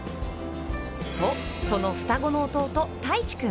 と、その双子の弟太智君。